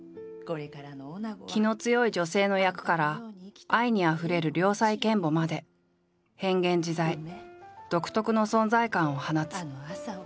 気の強い女性の役から愛にあふれる良妻賢母まで変幻自在独特の存在感を放つ。